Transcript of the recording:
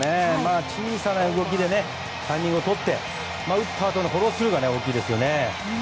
小さな動きでタイミングをとって打ったあとのフォロースルーが大きいですよね。